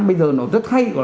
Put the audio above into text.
bây giờ nó rất hay